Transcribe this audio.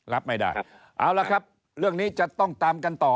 รับไม่ได้เอาละครับเรื่องนี้จะต้องตามกันต่อ